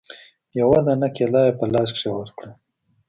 يوه دانه کېله يې په لاس کښې ورکړه.